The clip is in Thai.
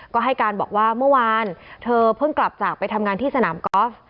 ก็ให้การบอกว่าเมื่อวานเธอเพิ่งกลับจากไปทำงานที่สนามกอล์ฟ